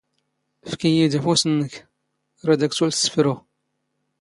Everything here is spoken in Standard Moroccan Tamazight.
ⴼⴽ ⵉⵢⵉ ⴷ ⴰⴼⵓⵙ ⵏⵏⴽ, ⵔⴰⴷ ⴰⴽ ⵙⵓⵍ ⵙⵙⴼⵔⵓⵖ.